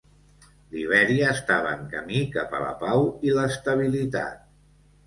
Libèria estava en camí cap a la pau i l'estabilitat.